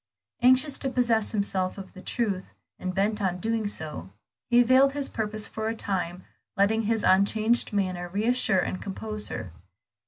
Anxious to possess himself of the truth, and bent on doing so, he veiled his purpose for a time, letting his unchanged manner reassure and compose her.